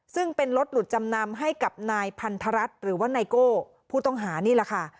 ซึ่งเป็นรถหลุดจำนำให้กับนายพันธรัฐหรือว่าไนโก้ผู้ต้องหานี่แหละค่ะ